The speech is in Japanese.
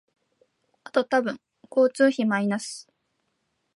あと多分交通費マイナス